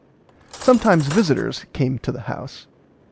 "Sometimes visitors came to the house."